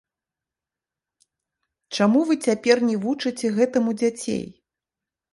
Чаму вы цяпер не вучыце гэтаму дзяцей?